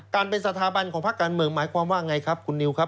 การเป็นสถาบันของภักดิ์การเมืองหมายความว่าอย่างไรครับคุณนิวครับ